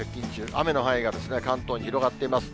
雨の範囲が関東に広がっています。